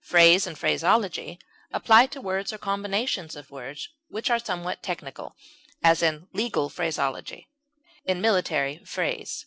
Phrase and phraseology apply to words or combinations of words which are somewhat technical; as, in legal phraseology; in military phrase.